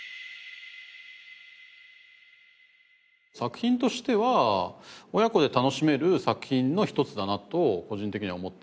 作品としては親子で楽しめる作品の一つだなと個人的には思っていて。